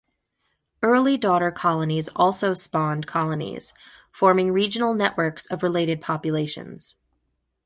Early daughter colonies also spawned colonies, forming regional networks of related populations.